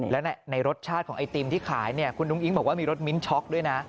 และในรสชาติของไอติมที่ขายเนี่ยคุณอุ้งอิ๊งบอกว่ามีรสมิ้นช็อกด้วยนะ